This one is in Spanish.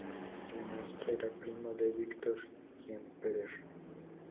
Además, era primo de Victor Klemperer.